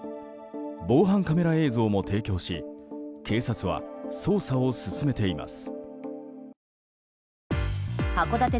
防犯カメラ映像も提供し警察は捜査を進めています。